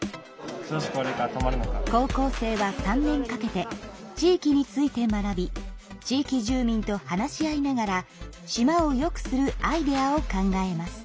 高校生は３年かけて地域について学び地域住民と話し合いながら島をよくするアイデアを考えます。